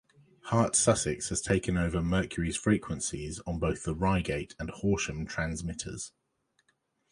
Heart Sussex has taken over Mercury's frequencies, on both the Reigate and Horsham transmitters.